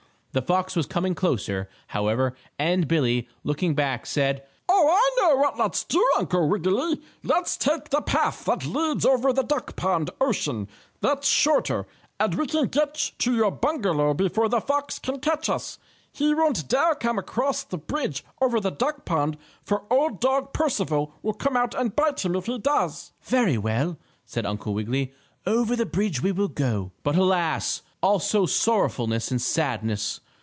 The fox was coming closer, however, and Billie, looking back, said: "Oh, I know what let's do, Uncle Wiggily. Let's take the path that leads over the duck pond ocean. That's shorter, and we can get to your bungalow before the fox can catch us. He won't dare come across the bridge over the duck pond, for Old Dog Percival will come out and bite him if he does." "Very well," said Uncle Wiggily, "over the bridge we will go." But alas! Also sorrowfulness and sadness!